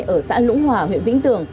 ở xã lũng hòa huyện vĩnh thường